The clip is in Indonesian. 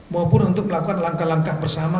maupun untuk melakukan langkah langkah bersama